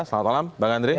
selamat malam bang andre